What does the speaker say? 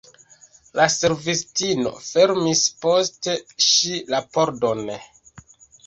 La servistino fermis post ŝi la pordon.